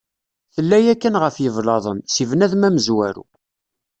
Tella yakkan ɣef yiblaḍen, si bnadem amezwaru.